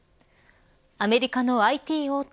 アメリカのＩＴ大手